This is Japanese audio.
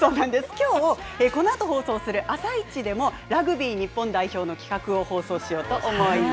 きょう、このあと放送するあさイチでも、ラグビー日本代表の企画を放送しようと思います。